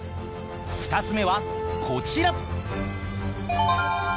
２つ目はこちら！